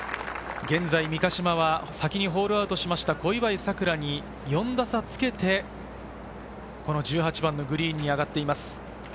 三ヶ島は先にホールアウトした小祝さくらに４打差をつけて１８番のグリーンに上がっています。